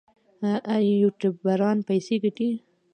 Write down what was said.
آیا یوټیوبران پیسې ګټي؟